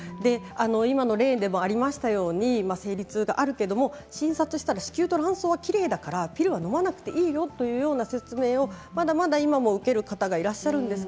今の例でもありましたように生理痛があるけれども診察したら子宮と卵巣はきれいだからピルはのまなくていいというような説明もまだまだ今も受ける方がいらっしゃるんです。